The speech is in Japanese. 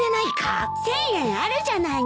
１，０００円あるじゃないの。